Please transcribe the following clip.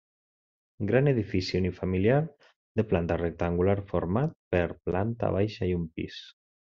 Gran edifici unifamiliar de planta rectangular, format per planta baixa i un pis.